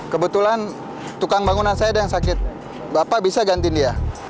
kebetulan tukang bangunan saya ada yang sakit bapak bisa gantiin dia